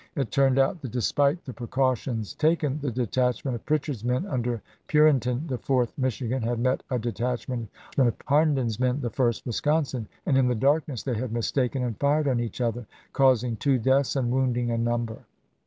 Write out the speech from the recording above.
It turned out that, despite the precautions taken, the detach ment of Pritchard's men under Purinton (the 4th Michigan) had met a detachment of Harnden's men (the 1st Wisconsin), and in the darkness they had mistaken and fired on each other, causing two deaths and wounding a number.